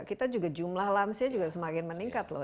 kita juga jumlah lansia juga semakin meningkat loh